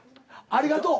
ありがとう。